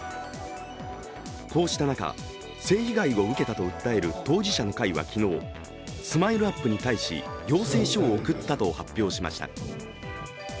こうした中、性被害を受けたと訴える当事者の会は昨日、ＳＭＩＬＥ−ＵＰ．に対し要請書を送ったと発表しました。